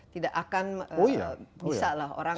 tidak akan bisa lah orang